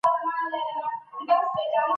حکومتونه چیري د پوهني حق غوښتنه کوي؟